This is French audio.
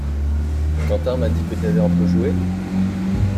Quentin m'a dit que t'avais un peu joué?